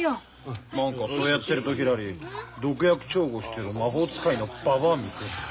何かそうやってるとひらり毒薬調合してる魔法使いのババアみてえ。